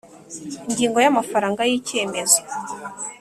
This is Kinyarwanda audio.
Ingingo ya Amafaranga y icyemezo